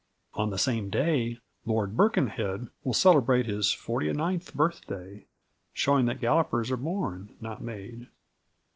On the same day, Lord Birkenhead will celebrate his forty ninth birthday, showing that Gallopers are born not made.